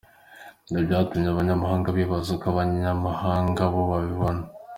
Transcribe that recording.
Ibyo byatumye abanyamahanga bibaza uko abanyamahanga bo babibona.